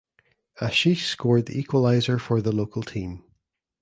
Ashish scored the equalizer for the local team.